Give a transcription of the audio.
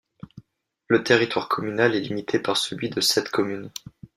Le territoire communal est limité par celui de sept communes.